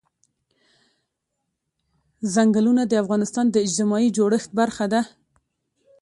چنګلونه د افغانستان د اجتماعي جوړښت برخه ده.